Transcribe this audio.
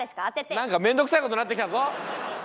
なんか面倒くさい事になってきたぞ！